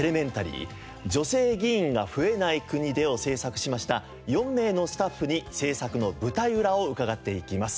『女性議員が増えない国で』を制作しました４名のスタッフに制作の舞台裏を伺っていきます。